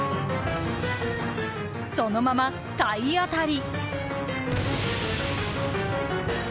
そのまま体当たり！